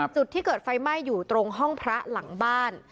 จุดที่เกิดไฟไหม้อยู่ตรงห้องพระหลังบ้าน